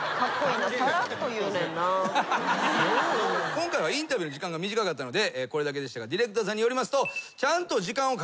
今回はインタビューの時間が短かったのでこれだけでしたがディレクターさんによりますと。